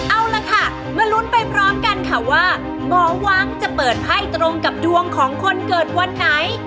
เอาล่ะค่ะมาลุ้นไปพร้อมกันค่ะว่าหมอวังจะเปิดไพ่ตรงกับดวงของคนเกิดวันไหน